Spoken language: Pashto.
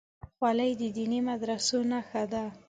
خولۍ د دیني مدرسو نښه ده.